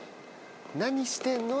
何してんの？